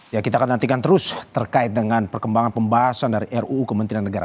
ya kita akan nantikan terus terkait dengan perkembangan pembahasan dari ruu kementerian negara